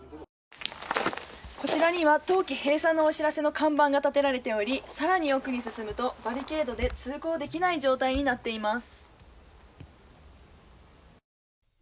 こちらには冬季閉鎖のお知らせの看板が立てられておりさらに奥に進むとバリケードで通行できない状態になっています。